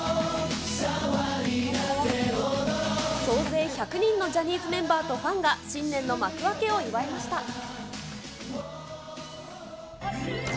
総勢１００人のジャニーズメンバーとファンが新年の幕開けを祝いました。